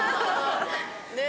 ねえ！